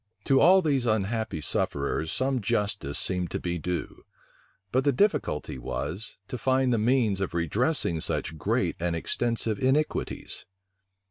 To all these unhappy sufferers some justice seemed to be due: but the difficulty was, to find the means of redressing such great and extensive iniquities.